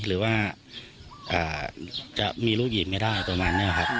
หรือว่าจะมีลูกหญิงไม่ได้ประมาณนี้ครับ